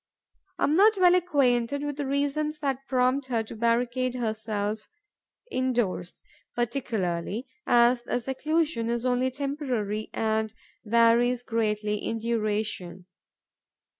I am not well acquainted with the reasons that prompt her to barricade herself indoors, particularly as the seclusion is only temporary and varies greatly in duration.